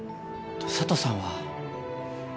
佐都さんは？